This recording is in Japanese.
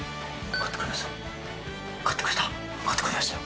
買ってくれましたよ。